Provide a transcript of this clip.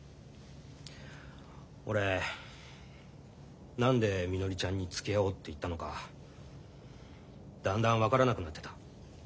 俺何でみのりちゃんにつきあおうって言ったのかだんだん分からなくなってた。